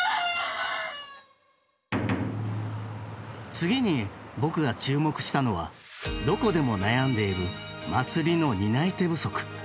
次に僕が注目したのはどこでも悩んでいる祭りの担い手不足。